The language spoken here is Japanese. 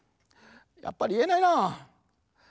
やっぱりいえないなぁ。